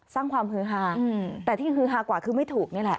สร้างความฮือฮาแต่ที่ฮือฮากว่าคือไม่ถูกนี่แหละ